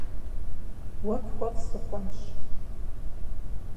- Уэ пхуэфӏ сыхъунщ.